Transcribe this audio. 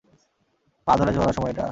পা ধরে ঝোলার সময় এটা?